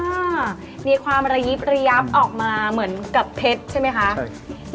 อ่ามีความระยิบระยับออกมาเหมือนกับเพชรใช่ไหมคะ